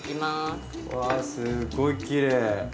うわすごいきれい。